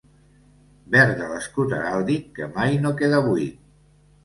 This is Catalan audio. Verd de l'escut heràldic que mai no queda buit.